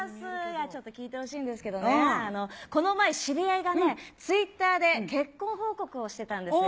ちょっと聞いてほしいですけどね、この前、知り合いがね、ツイッターで結婚報告をしてたんですよ。